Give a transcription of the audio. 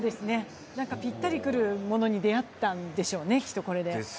ぴったりくるものに出会ったんでしょうね、これで。